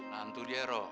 nah itu dia ro